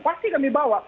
pasti kan dibawa